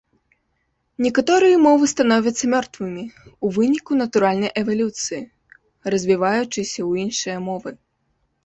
Некаторыя мовы становяцца мёртвымі ў выніку натуральнай эвалюцыі, развіваючыся ў іншыя мовы.